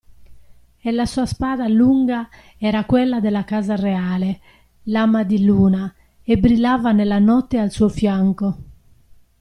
E la sua spada lunga era quella della casa reale, Lama di Luna, e brillava nella notte al suo fianco.